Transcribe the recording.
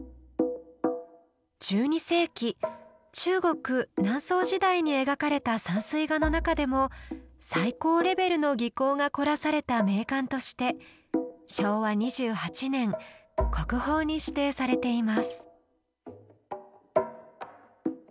１２世紀中国南宋時代に描かれた山水画の中でも最高レベルの技巧が凝らされた名巻として昭和２８年国宝に指定されています。